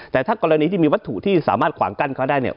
แต่ถ้ากรณีที่มีวัตถุที่สามารถขวางกั้นเขาได้เนี่ย